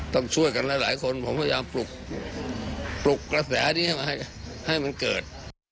ต้องช่วยกันหลายคนผมพยายามปลุกกระแสนี้มาให้มันเกิด